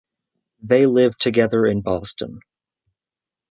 They live together in Boston.